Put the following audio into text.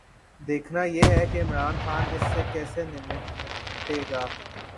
دیکھنا یہ ہے کہ عمران خان اس سے کیسے نمٹتے ہیں۔